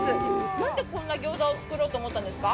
なんでこんな餃子を作ろうと思ったんですか？